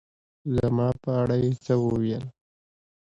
زما په اړه يې څه ووېل